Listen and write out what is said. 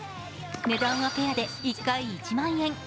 値段はペアで１回１万円。